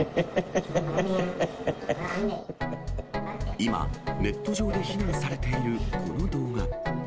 今、ネット上で非難されているこの動画。